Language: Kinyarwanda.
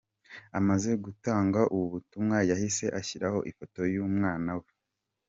" Amaze gutanga ubu butumwa, yahise ashyiraho ifoto y’umwana we.